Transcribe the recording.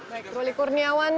baik roli kurniawan